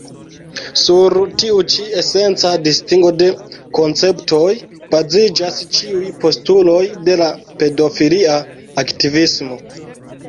Sur tiu ĉi esenca distingo de konceptoj baziĝas ĉiuj postuloj de la pedofilia aktivismo.